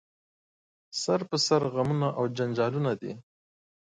سر په سر غمونه او جنجالونه دي